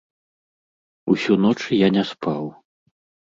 Усю ноч я не спаў.